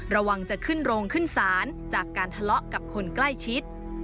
ระวังจะขึ้นโรงขึ้นศาลจากการทะเลาะกับคนใกล้ชิด